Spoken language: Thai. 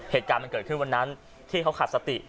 เหตุการณ์มันเกิดขึ้นวันนั้นที่เขาขาดสติ